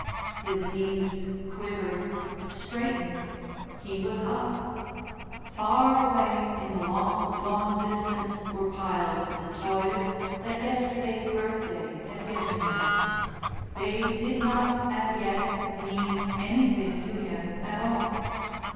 His knees quivered, straightened; he was up. Far away in the long, long distance were piled the toys that yesterday's birthday had given him. They did not, as yet, mean anything to him at all.